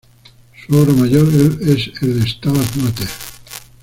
Su obra mayor es el "Stabat Mater".